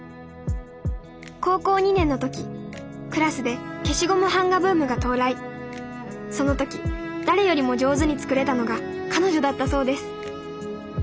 高校２年の時クラスで消しゴム版画ブームが到来その時誰よりも上手に作れたのが彼女だったそうです。